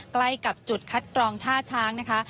ใกล้กับจุดคัดกรองท่าช้างนะคะ